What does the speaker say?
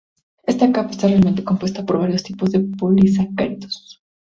Esta capa está realmente compuesta por varios tipos de polisacáridos.